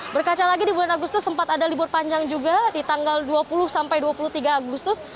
berkaca lagi di bulan agustus sempat ada libur panjang juga di tanggal dua puluh sampai dua puluh tiga agustus